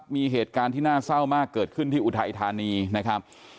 มีเหตุการณ์ที่น่าเศร้ามากเกิดขึ้นที่อุทัยธานีนะครับ